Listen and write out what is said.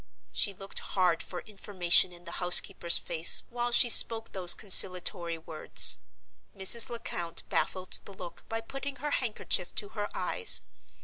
She looked hard for information in the housekeeper's face while she spoke those conciliatory words. Mrs. Lecount baffled the look by putting her handkerchief to her eyes.